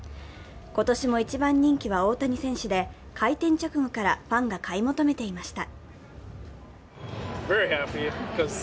今年も一番人気は大谷選手で、開店直後からファンが買い求めていました。